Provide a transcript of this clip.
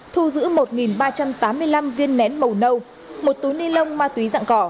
thu giữ một ba trăm tám mươi năm viên nén màu nâu một túi ni lông ma túy